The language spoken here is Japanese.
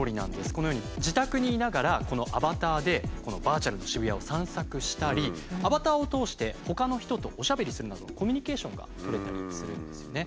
このように自宅にいながらこのアバターでこのバーチャルの渋谷を散策したりアバターを通してほかの人とおしゃべりするなどのコミュニケーションが取れたりするんですよね。